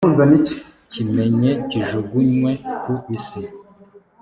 kimenye kijugunywe ku isi,